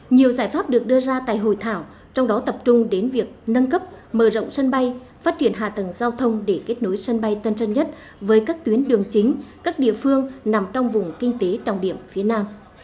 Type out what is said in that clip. nhiều giải pháp được đưa ra tại hội thảo trong đó tập trung đến việc nâng cấp mở rộng sân bay phát triển hạ tầng giao thông để kết nối sân bay tân sơn nhất với các tuyến đường chính các địa phương nằm trong vùng kinh tế trọng điểm phía nam